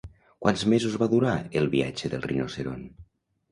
Quants mesos va durar el viatge del rinoceront?